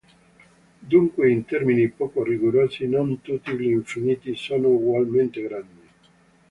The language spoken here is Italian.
Dunque in termini poco rigorosi non tutti gli infiniti sono ugualmente grandi.